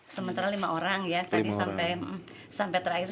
sementara lima orang ya sampai terakhir sembilan